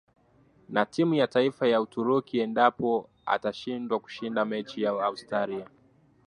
na timu ya taifa ya uturuki endapo atashindwa kushinda mechi ya australia